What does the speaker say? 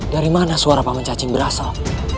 dari mana suara pak man cacing berasal